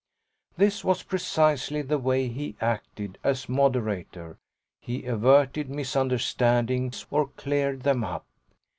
This was precisely the way he acted as moderator; he averted misunderstandings or cleared them up.